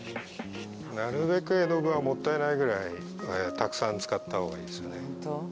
なるべく絵の具はもったいないぐらいたくさん使った方がいいですね。